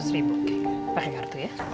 oke pakai kartu ya